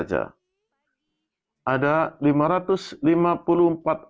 ada dua puluh lima orang yang berpengalaman